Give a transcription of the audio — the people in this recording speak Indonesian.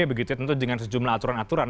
begitu tentu dengan sejumlah aturan aturan